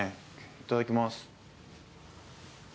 いただきます